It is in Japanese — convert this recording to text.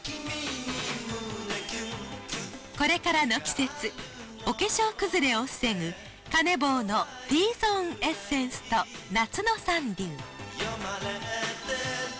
これからの季節お化粧崩れを防ぐカネボウのＴゾーンエッセンスと夏のサンデュー。